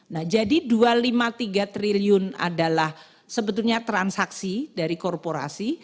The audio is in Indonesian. nah jadi dua ratus lima puluh tiga triliun adalah sebetulnya transaksi dari korporasi